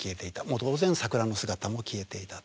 もう当然桜の姿も消えていた。